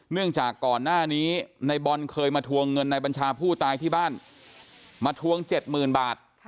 จากก่อนหน้านี้ในบอลเคยมาทวงเงินในบัญชาผู้ตายที่บ้านมาทวง๗๐๐๐บาท